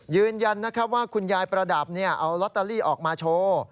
ยืนยันนะครับว่าคุณยายประดับเอาลอตเตอรี่ออกมาโชว์